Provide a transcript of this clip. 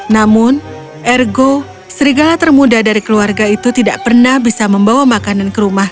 namun ergo serigala termuda dari keluarga itu tidak pernah bisa membawa makanan ke rumah